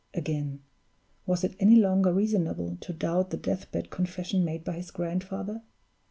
Again, was it any longer reasonable to doubt the death bed confession made by his grandfather?